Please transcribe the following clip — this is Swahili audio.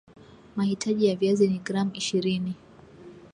mahitaji ya viazi ni gram ishirini